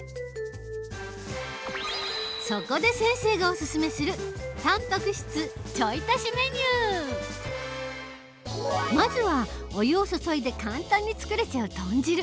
そこで先生がお勧めするまずはお湯を注いで簡単に作れちゃう豚汁。